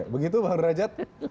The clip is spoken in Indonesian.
begitu mas derajat